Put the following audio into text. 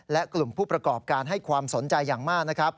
และกลุ่มผู้ประกอบการให้ความสนใจอย่างมากนะครับ